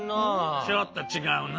ちょっとちがうな。